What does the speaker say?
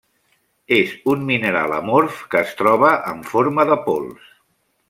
És un mineral amorf que es troba en forma de pols.